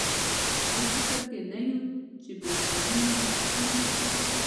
په دې فکر کې نه یو چې بېکاري مو له وطن څخه.